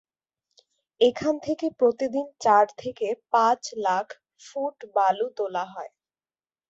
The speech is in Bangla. এখান থেকে প্রতিদিন চার থেকে পাঁচ লাখ ফুট বালু তোলা হয়।